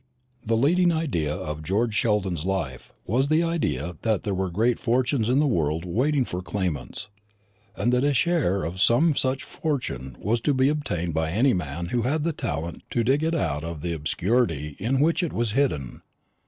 The leading idea of George Sheldon's life was the idea that there were great fortunes in the world waiting for claimants; and that a share of some such fortune was to be obtained by any man who had the talent to dig it out of the obscurity in which it was hidden.